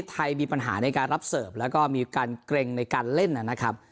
ไทยมีปัญหาในการรับเสิร์ฟแล้วก็มีการเกร็งในการเล่นนะครับ